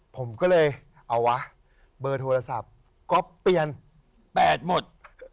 ผมก็เลยเอาวะเบอร์โทรศัพท์ก๊อปเปลี่ยน๘หมด